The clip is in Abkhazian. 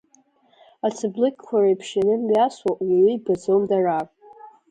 Ацыблыкьқәа реиԥш ианымҩасуа, уаҩы ибаӡом дара.